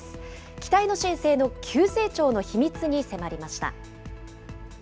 期待の新星の急成長の秘密に迫りました。